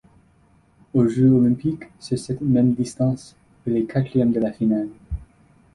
Aux Jeux olympiques, sur cette même distance, il est quatrième de la finale.